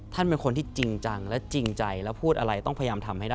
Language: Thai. เป็นคนที่จริงจังและจริงใจและพูดอะไรต้องพยายามทำให้ได้